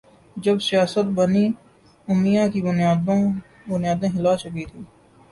جب سیاست بنی امیہ کی بنیادیں ہل چکی تھیں